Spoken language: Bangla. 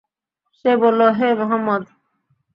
সে বলল, হে মুহাম্মদ!